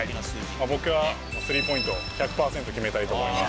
僕はスリーポイントを１００％決めたいと思います。